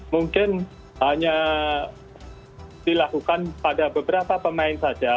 mungkin hanya dilakukan pada beberapa pemain saja